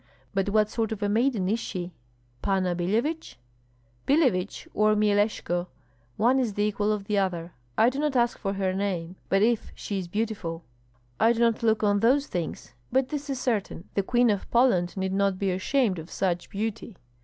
"But what sort of a maiden is she?" "Panna Billevich?" "Billevich or Myeleshko, one is the equal of the other. I do not ask for her name, but if she is beautiful." "I do not look on those things; but this is certain, the Queen of Poland need not be ashamed of such beauty."